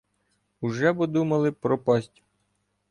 Уже бо думали пропасть.